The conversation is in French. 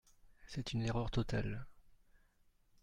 C’est une erreur totale.